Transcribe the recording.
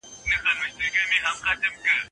ممیز طاقت ورکوي.